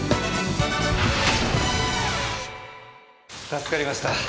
助かりました。